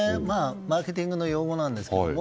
マーケティングの用語なんですけれども。